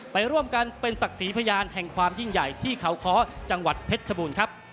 ไปร่วมกันเป็นศักดิ์ศรีพยานแห่งความยิ่งใหญ่ที่เขาค้อจังหวัดเพชรชบูรณ์ครับ